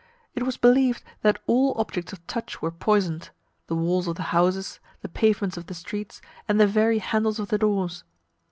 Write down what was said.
It was believed that all objects of touch were poisoned; the walls of the houses, the pavements of the streets, and the very handles of the doors.